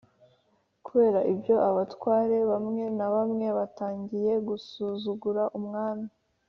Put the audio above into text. Kubera ibyo, Abatware bamwe na bamwe batangiye gusuzugura umwami